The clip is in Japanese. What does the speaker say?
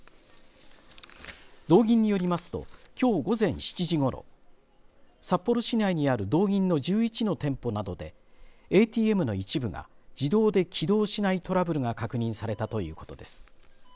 道銀によりますときょう午前７時ごろ札幌市内にある道銀の１１の店舗などでＡＴＭの一部が自動で起動しないトラブルが確認されたということです。